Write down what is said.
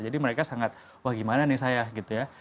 jadi mereka sangat wah gimana nih saya gitu ya